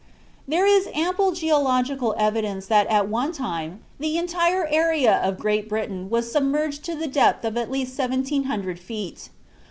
There is ample geological evidence that at one time the entire area of Great Britain was submerged to the depth of at least seventeen hundred feet.